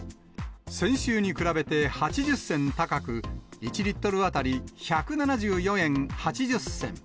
先週に比べて、８０銭高く、１リットル当たり１７４円８０銭。